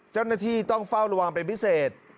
เจ้าหน้าที่ต้องเฝ้าระวังเป็นพิเศษ